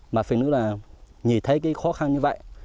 mà phải nữa là nhìn thấy cái khó khăn như vậy